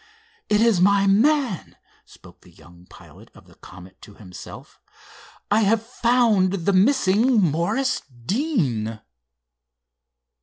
"It is my man," spoke the young pilot of the Comet to himself. "I have found the missing Morris Deane!"